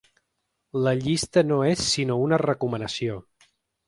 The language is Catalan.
La llista no és sinó una recomanació.